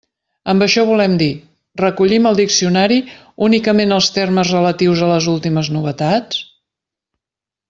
Amb això volem dir: recollim al diccionari únicament els termes relatius a les últimes novetats?